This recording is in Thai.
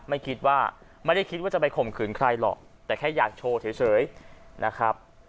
ไม่คิดว่าไม่ได้คิดว่าจะไปข่มขืนใครหรอกแต่แค่อยากโชว์เฉยนะครับ